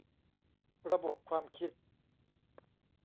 ระบบความคิด